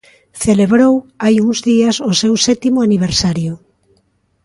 Celebrou hai uns días o seu sétimo aniversario.